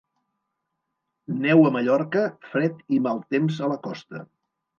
Neu a Mallorca, fred i mal temps a la costa.